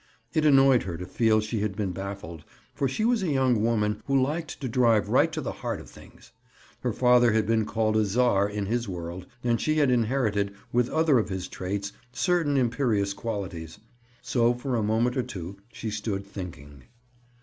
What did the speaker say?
It annoyed her to feel she had been baffled, for she was a young woman who liked to drive right to the heart of things. Her father had been called a "czar" in his world, and she had inherited, with other of his traits, certain imperious qualities. So for a moment or two she stood thinking.